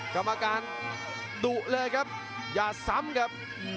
อย่าซ้ำนะครับ